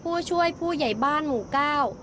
ผู้ช่วยผู้ใหญ่บ้านหมู่เก้า